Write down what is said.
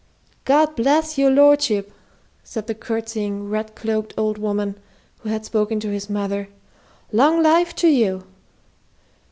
"God bless your lordship!" said the courtesying, red cloaked old woman who had spoken to his mother; "long life to you!"